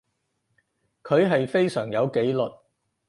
佢係非常有紀律